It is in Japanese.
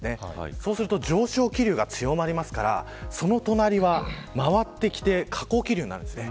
そうすると上昇気流が強まりますからその隣は回ってきて下降気流になるんです。